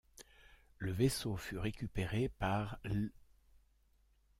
Le vaisseau fut récupéré par l'.